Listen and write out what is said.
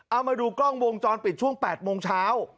เอามาดูกล้องวงจรปิดช่วง๘โมงเช้า